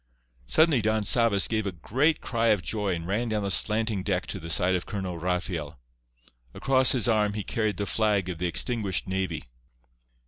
Suddenly Don Sabas gave a great cry of joy, and ran down the slanting deck to the side of Colonel Rafael. Across his arm he carried the flag of the extinguished navy.